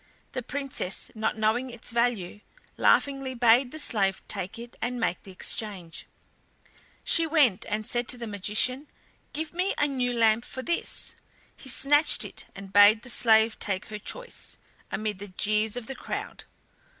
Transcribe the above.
The Princess, not knowing its value, laughingly bade the slave take it and make the exchange. She went and said to the magician: "Give me a new lamp for this." He snatched it and bade the slave take her choice, amid the jeers of the crowd.